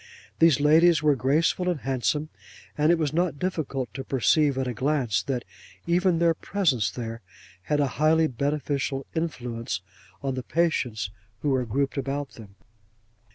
These ladies were graceful and handsome; and it was not difficult to perceive at a glance that even their presence there, had a highly beneficial influence on the patients who were grouped about them.